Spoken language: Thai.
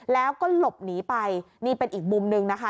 แล้วก็หลบหนีไปนี่เป็นอีกมุมหนึ่งนะคะ